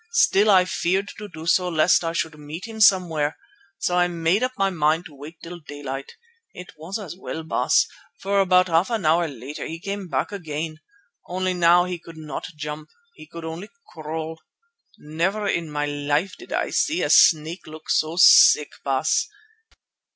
Still I feared to do so lest I should meet him somewhere, so I made up my mind to wait till daylight. It was as well, Baas, for about half an hour later he came back again. Only now he could not jump, he could only crawl. Never in my life did I see a snake look so sick, Baas.